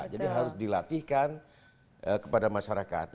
jadi harus dilatihkan kepada masyarakat